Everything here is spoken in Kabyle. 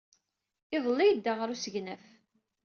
Iḍelli ay yedda ɣer usegnaf.